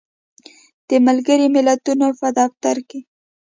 د ملګری ملتونو په دفتر کې